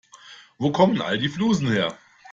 Wo kommen all die Flusen her?